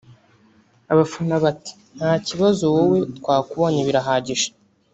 abafana bati « nta kibazo wowe twakubonye birahagije »